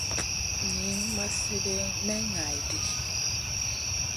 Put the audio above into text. Niyn ma slèdeyn may ŋa ɗi.